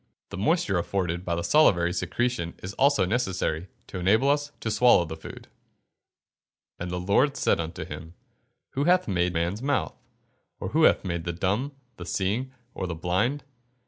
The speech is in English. The moisture afforded by the salivary secretion is also necessary to enable us to swallow the food. [Verse: "And the Lord said unto him, Who hath made man's mouth? or who maketh the dumb, or the seeing, or the blind?